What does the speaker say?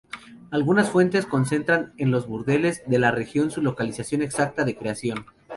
Algunas fuentes concretan en los burdeles de la región su localización exacta de creación.